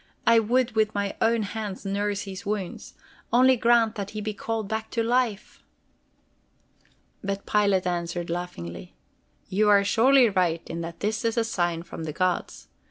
I would with mine own hands nurse his wounds. Only grant that he be called back to life!" But Pilate answered laughingly: "You are surely right in that this is a sign from the gods.